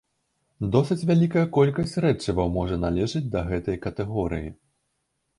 Досыць вялікая колькасць рэчываў можа належаць да гэтай катэгорыі.